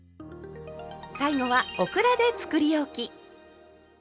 最後はオクラでつくりおき。